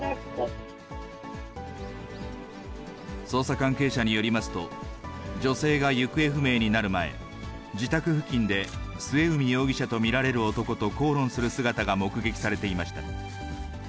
捜査関係者によりますと、女性が行方不明になる前、自宅付近で末海容疑者と見られる男と口論する姿が目撃されていました。